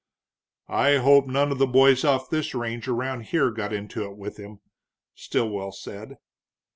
"I hope none of the boys off of this range around here got into it with him," Stilwell said.